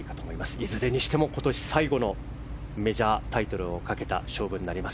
いずれにしても今年最後のメジャータイトルをかけた勝負になります。